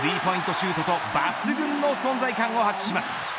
シュートと抜群の存在感を発揮します。